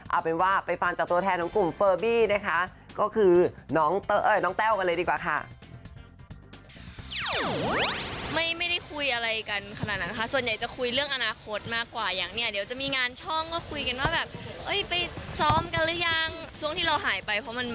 เอาเป็นว่าไปฟังจากตัวแทนของกลุ่มเฟอร์บี้นะคะก็คือน้องแต้วกันเลยดีกว่าค่ะ